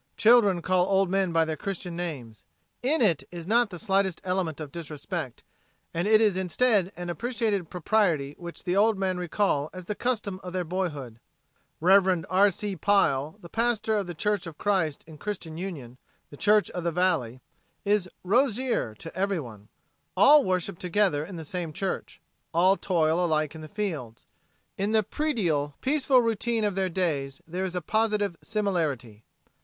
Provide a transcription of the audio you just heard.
Children call old men by their Christian names. In it is not the slightest element of disrespect, and it is instead an appreciated propriety which the old men recall as the custom of their boyhood. Rev. R. C. Pile, pastor of the Church of Christ in Christian Union, the church of the valley, is "Rosier" to everyone. All worship together in the same church; all toil alike in the fields. In the predial, peaceful routine of their days there is a positive similarity.